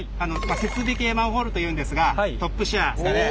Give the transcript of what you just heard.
設備系マンホールというんですがトップシェアですかね。